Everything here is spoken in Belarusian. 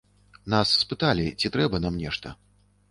Нас спыталі, ці трэба нам нешта.